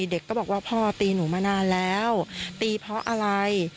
เด็กก็บอกว่าพ่อตีหนูมานานแล้วตีเพราะอะไร